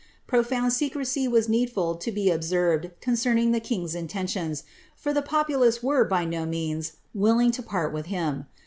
Pro found secrecy was needful to be observed concerning the king^s inten lions, for the populace were, by no means, willing to part with him.